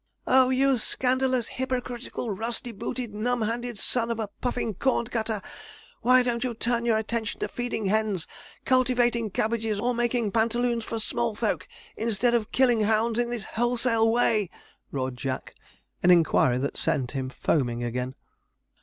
'Oh, you scandalous, hypocritical, rusty booted, numb handed son of a puffing corn cutter, why don't you turn your attention to feeding hens, cultivating cabbages, or making pantaloons for small folk, instead of killing hounds in this wholesale way?' roared Jack; an inquiry that set him foaming again.